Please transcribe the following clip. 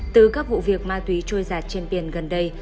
từ các vụ việc ma túy trôi giặt trên biển gần đây